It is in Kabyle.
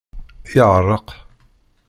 Yeɛreq.